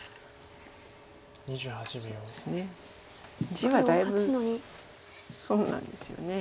地はだいぶ損なんですよね。